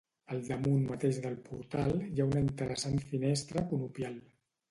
Al damunt mateix del portal hi ha una interessant finestra conopial.